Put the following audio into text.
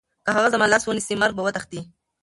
که هغه زما لاس ونیسي، مرګ به وتښتي.